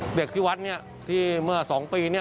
ก็ไม่เป็นไรเด็กที่วัดที่เมื่อ๒ปี